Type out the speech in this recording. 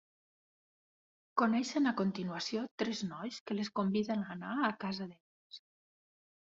Coneixen a continuació tres nois que les conviden a anar a casa d'elles.